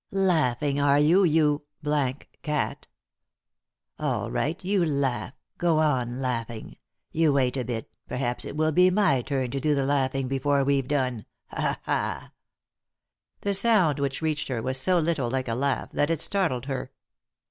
" Laughing, are you, you cat I All right ; you laugh I Go on laughing 1 You wait a bit, perhaps it will be my turn to do the laughing before we've done — Ha, ha I" The sound which reached her was so little like a laugh that it startled her.